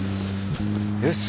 よし！